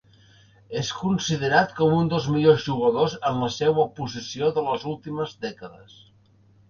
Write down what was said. És considerat com un dels millors jugadors en la seua posició de les últimes dècades.